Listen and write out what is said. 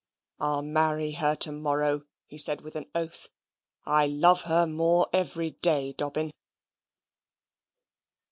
"I'll marry her to morrow," he said with an oath. "I love her more every day, Dobbin."